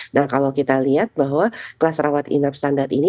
nah kalau kita lihat bahwa kelas rawat inap standar ini